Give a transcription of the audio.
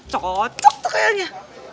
cocok tuh kayaknya